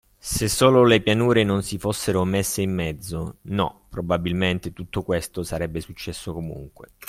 Se solo le pianure non si fossero messe in mezzo… No, probabilmente tutto questo sarebbe successo comunque.